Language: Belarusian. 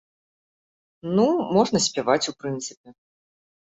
Ну, можна спяваць, у прынцыпе.